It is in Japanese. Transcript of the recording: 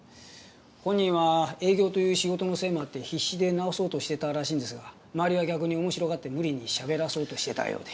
本人は営業という仕事のせいもあって必死で直そうとしてたらしいんですが周りは逆に面白がって無理にしゃべらそうとしてたようで。